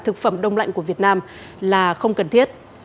thực phẩm đông lạnh của việt nam là không cần thiết